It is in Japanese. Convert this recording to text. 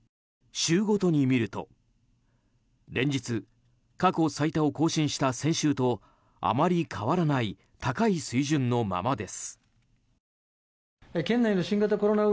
週ごとに見ると連日、過去最多を更新した先週とあまり変わらない高い水準のままです。